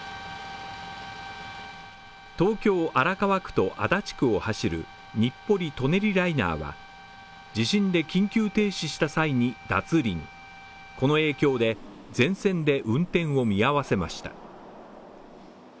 東京荒川区と足立区を走る日暮里舎人ライナーは地震で緊急停止した際に、脱輪この影響で全線で運転を見合わせました。